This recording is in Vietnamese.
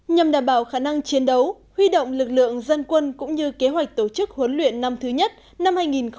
nhằm đảm bảo khả năng chiến đấu huy động lực lượng dân quân cũng như kế hoạch tổ chức huấn luyện năm thứ nhất năm hai nghìn hai mươi